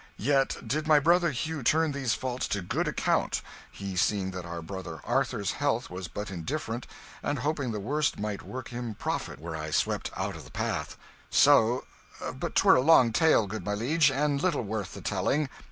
"Yet did my brother Hugh turn these faults to good account he seeing that our brother Arthur's health was but indifferent, and hoping the worst might work him profit were I swept out of the path so but 'twere a long tale, good my liege, and little worth the telling.